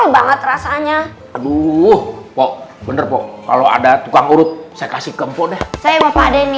banget rasanya aduh pokok bener pokok kalau ada tukang urut saya kasih kempo deh saya bapak deni